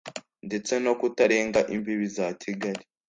ndetse no kutarenga imbibi za Kigali